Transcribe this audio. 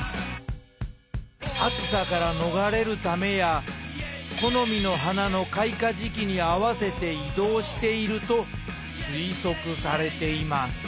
暑さから逃れるためや好みの花の開花時期に合わせて移動していると推測されています